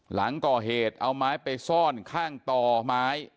หลังก่อเหตุเอาไม้ไปซ่อนข้างต่อไม้